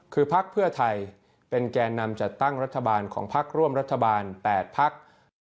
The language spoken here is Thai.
คือภาคเพื่อไทยเป็นแกนนำจัดตั้งรัฐบาลของภาคร่วมรัฐบาลแปดภาค